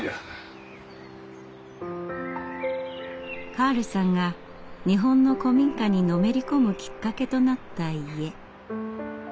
カールさんが日本の古民家にのめり込むきっかけとなった家。